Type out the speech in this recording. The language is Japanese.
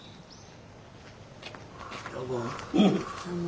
どうも。